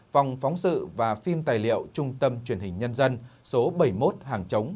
phòng phóng sự và phim tài liệu trung tâm truyền hình nhân dân số bảy mươi một hàng chống